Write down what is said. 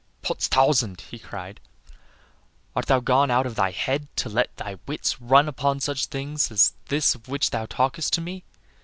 "Potstausand!" he cried; "art thou gone out of thy head to let thy wits run upon such things as this of which thou talkest to me?